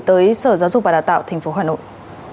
tới sở giáo dục và đào tạo tp hcm